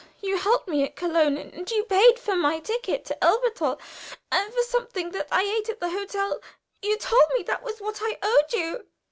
You helped me at Köln, and you paid for my ticket to Elberthal, and for something that I had at the hotel. You told me that was what I owed you."